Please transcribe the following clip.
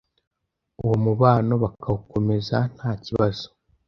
uwo mubano bakawukomeza ntakibazo.